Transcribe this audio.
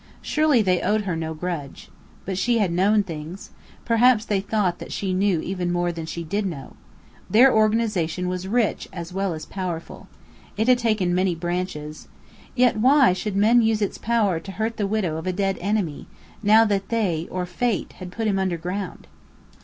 Surely they owed her no grudge. But she had known things. Perhaps they thought that she knew even more than she did know. Their organization was rich as well as powerful. It had many branches. Yet why should men use its power to hurt the widow of a dead enemy, now that they or fate had put him underground?